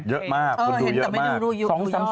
เยอะมากคนดูเยอะมาก